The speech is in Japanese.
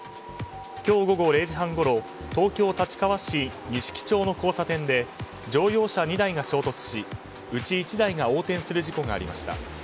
今日午後０時半ごろ東京・立川市の交差点で乗用車２台が衝突し、うち１台が横転する事故がありました。